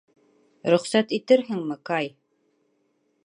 Рөхсәт итерһеңме, Кай?